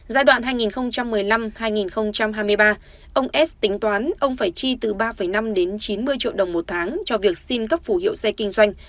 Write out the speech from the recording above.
giai đoạn hai nghìn một mươi năm hai nghìn hai mươi ba ông s tính toán ông phải chi từ ba năm đến chín mươi triệu đồng một tháng cho việc xin cấp phủ hiệu xe kinh doanh